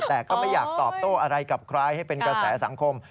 แต่ก็ไม่อยากตอบโต้อะไรกับใครให้เป็นกระแสสังคม